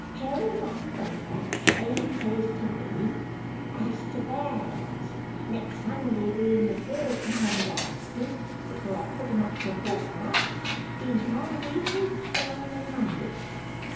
Jeremiah then says to me, "As to banns, next Sunday being the third time of asking (for I've put 'em up a fortnight), is my reason for naming Monday.